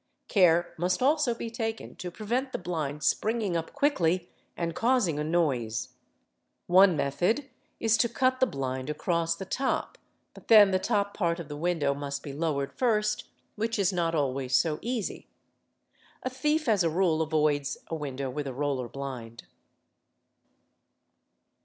Care must also be taken to prevent the blind Springing up quickly and causing a noise. One method is to cut the Jind across the top, but then the top part of the window must be owered first, which is not always so easy. A thief as a rule avoids a window with a roller blind.